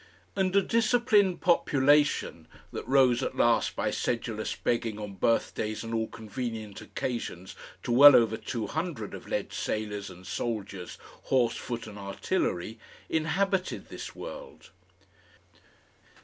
And a disciplined population, that rose at last by sedulous begging on birthdays and all convenient occasions to well over two hundred, of lead sailors and soldiers, horse, foot and artillery, inhabited this world.